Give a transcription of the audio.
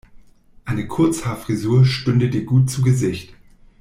Eine Kurzhaarfrisur stünde dir gut zu Gesicht.